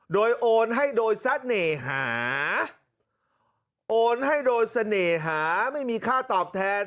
โดยโอนให้โดยเสน่หาโอนให้โดยเสน่หาไม่มีค่าตอบแทน